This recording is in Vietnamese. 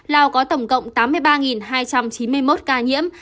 lào có tổng cộng tám mươi ba hai trăm chín mươi một ca nhiễm